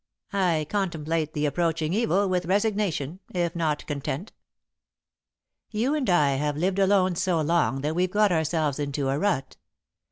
I contemplate the approaching evil with resignation, if not content." "You and I have lived alone so long that we've got ourselves into a rut.